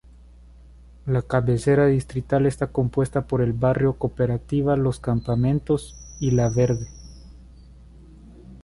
La cabecera distrital está compuesta por el Barrio Cooperativa Los Campamentos, y la Verde.